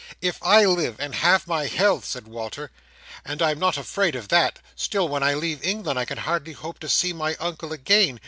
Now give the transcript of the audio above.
"If I live and have my health," said Walter, "and I am not afraid of that, still, when I leave England I can hardly hope to see my Uncle again.